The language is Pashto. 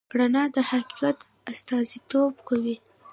رڼا د حقیقت استازیتوب کوي.